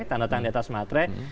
tanda tangan di atas matre